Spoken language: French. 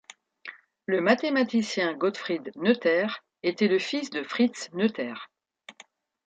Le mathématicien Gottfried Noether était le fils de Fritz Noether.